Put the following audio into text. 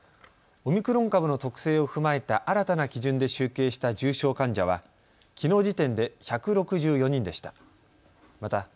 オミクロン株の特性を踏まえた新たな基準で集計した重症患者はきのう時点で１６４人でした。